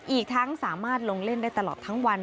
อีกทั้งสามารถลงเล่นได้ตลอดทั้งวัน